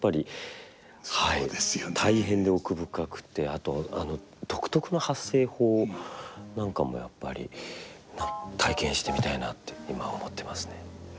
あとあの独特の発声法なんかもやっぱり体験してみたいなって今は思ってますね。